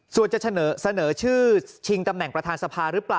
ส่วนจะเสนอชื่อชิงตำแหน่งประธานสภาหรือเปล่า